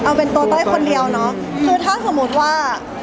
เอาเป็นตัวต้อยคนเดียวเนอะคือถ้าสมมุติว่า